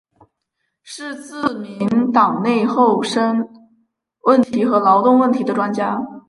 是自民党内厚生问题和劳动问题的专家。